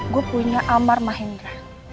gue punya amar mahengira